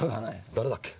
誰だっけ？